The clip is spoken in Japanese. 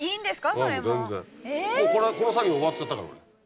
もう全然この作業終わっちゃったから。